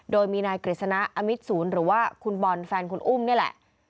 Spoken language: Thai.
โดยมีนายกฤษณะอมิตศูนย์หรือว่าคุณบอลแฟนคุณอุ้มนี่แหละ